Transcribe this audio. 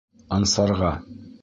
Ансарға.